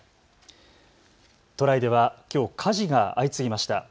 都内ではきょう火事が相次ぎました。